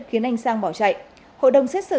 khiến anh sang bỏ chạy hội đồng xét xử